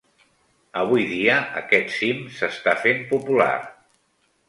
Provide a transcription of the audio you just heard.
Avui dia, aquest cim s'està fent popular.